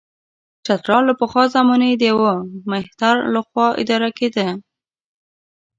چترال له پخوا زمانې د یوه مهتر له خوا اداره کېده.